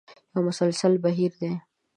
یو مسلسل بهیر دی.